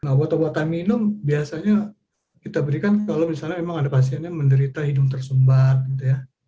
nah obat obatan minum biasanya kita berikan kalau misalnya emang ada pasien yang menderita hidung tersumbat gitu ya